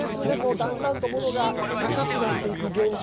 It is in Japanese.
だんだんと物が高くなっていく現象。